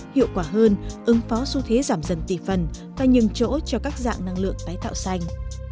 hiệu quả hơn ứng phó xu thế giảm dần tỷ phần và nhường chỗ cho các dạng năng lượng tái tạo xanh